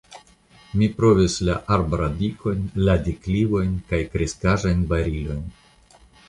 Mi provis la arbradikojn, la deklivojn, kaj kreskaĵajn barilojn.